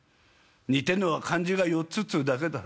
似てんのは漢字が４つっつうだけだ。